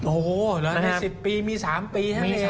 โอ้โหแล้วใน๑๐ปีมี๓ปีเท่านั้นเนี่ย